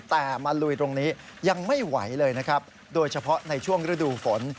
แต่มาลุยตรงนี้ยังไม่ไหวเลยนะครับโดยเฉพาะในช่วงฤดูฝน